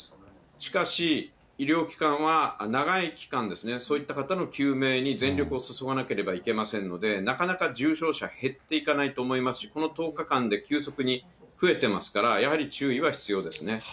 しかし、医療機関は長い期間、そういった方の救命に全力を注がなければなりませんので、なかなか重症者減っていかないと思いますし、この１０日間で急速に増えてますから、やはり注意は必要ですね。